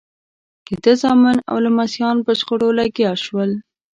د ده زامن او لمسیان په شخړو لګیا شول.